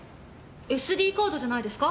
ＳＤカードじゃないですか？